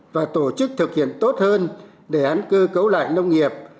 và tổ chức thực hiện tốt hơn đề án cơ cấu lại nông nghiệp